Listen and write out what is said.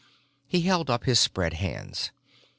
He held up his spread hands.